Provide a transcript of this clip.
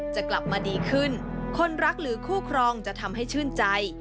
จะกลับมาดีขึ้นคนรักหรือคู่ครองจะทำให้ชื่นใจ